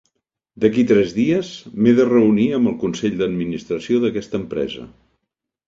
D'aquí tres dies m'he de reunir amb el Consell d'Administració d'aquesta empresa.